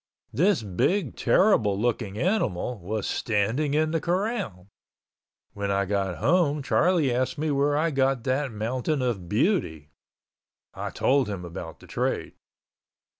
This big terrible looking animal was standing in the corral. When I got home Charlie asked me where I got that mountain of "beauty." I told him about the trade.